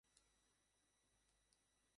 মূর্তিটি প্রথম শতাব্দীতে নির্মিত হয়েছিল।